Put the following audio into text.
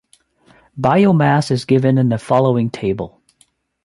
Biomass is given in the following table.